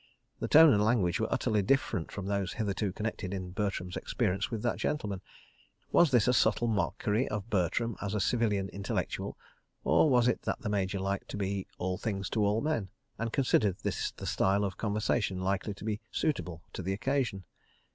The tone and language were utterly different from those hitherto connected, in Bertram's experience, with that gentleman. Was this a subtle mockery of Bertram as a civilian Intellectual? Or was it that the Major liked to be "all things to all men" and considered this the style of conversation likely to be suitable to the occasion?